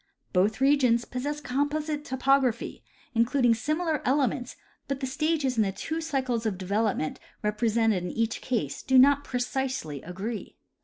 Both regions possess composite topography, including similar elements; but the stages in the two cycles of development represented in each case do not precisely agree.